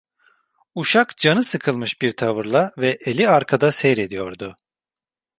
Uşak canı sıkılmış bir tavırla ve eli arkada seyrediyordu.